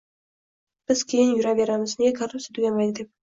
Biz keyin yuraveramiz, nega korrupsiya tugamaydi deb...